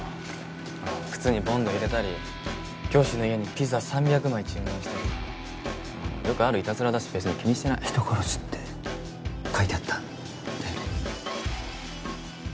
ほら靴にボンド入れたり教師の家にピザ３００枚注文したりよくあるイタズラだし別に気にしてない人殺しって書いてあったんだよね？